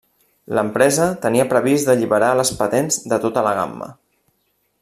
L'empresa tenia previst d'alliberar les patents de tota la gamma.